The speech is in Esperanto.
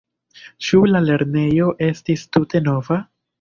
Ĉu la lernejo estis tute nova?